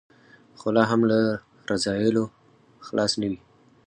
خو لا هم له رذایلو خلاص نه وي.